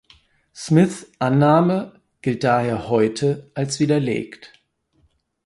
Smiths Annahme gilt daher heute als widerlegt.